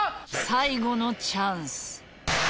最後のチャンス。